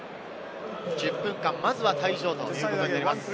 １０分間、まずは退場ということになります。